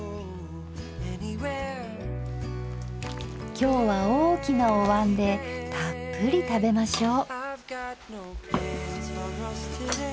今日は大きなお椀でたっぷり食べましょう。